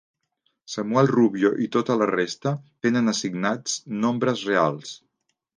Samuel Rubio i tota la resta tenen assignats nombres reals.